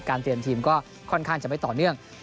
เตรียมทีมก็ค่อนข้างจะไม่ต่อเนื่อง